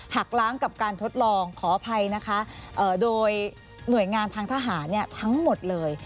ล้างกับการทดลองขออภัยนะคะโดยหน่วยงานทางทหารทั้งหมดเลย